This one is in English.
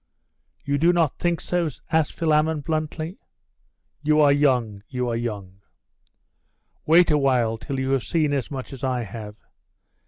'You do not think so?' asked Philammon bluntly. 'You are young, you are young. Wait a while till you have seen as much as I have.